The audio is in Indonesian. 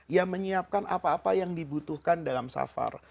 ya menyiapkan apa apa yang dibutuhkan dalam safar